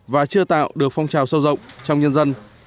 và chưa tạo được phong trào sâu rộng trong nhân dân